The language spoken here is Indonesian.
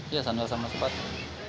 iya sandal sama sepatu